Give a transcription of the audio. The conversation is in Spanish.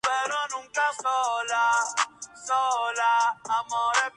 El apoyo de Wenger fue recompensado cuando Adams capitaneó al club a dos dobletes.